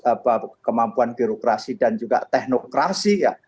ada juga kemampuan birokrasi dan juga teknokrasi